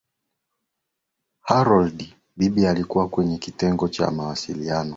harold bibi alikuwa kwenye kitengo cha mawasiliano